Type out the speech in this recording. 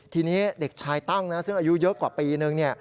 ทีนี้เด็กชายตั้งนะซึ่งอายุเยอะกว่าปีนึง